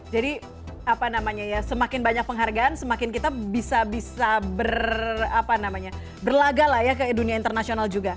jadi apa namanya ya semakin banyak penghargaan semakin kita bisa bisa berlaga lah ya ke dunia internasional juga